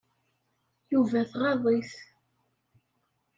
Yuba tɣaḍ-it.